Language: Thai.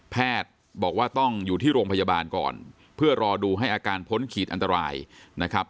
แพทย์บอกว่าต้องอยู่ที่โรงพยาบาลก่อนเพื่อรอดูให้อาการพ้นขีดอันตรายนะครับ